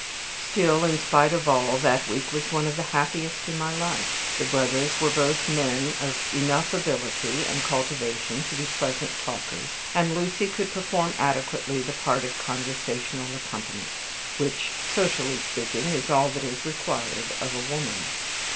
Still, in spite of all, that week was one of the happiest in my life. The brothers were both men of enough ability and cultivation to be pleasant talkers, and Lucy could perform adequately the part of conversational accompanist, which, socially speaking, is all that is required of a woman.